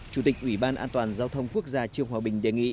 chủ tịch quỹ ban an toàn giao thông quốc gia trường hòa bình đề nghị